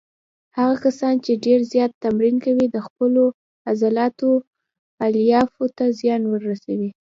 هغه کسان چې ډېر زیات تمرین کوي د خپلو عضلاتو الیافو ته زیان ورسوي.